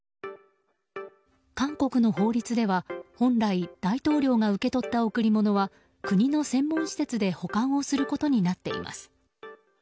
韓国の法律では本来大統領が受け取った贈り物は国の専門施設で保管をすることになっています。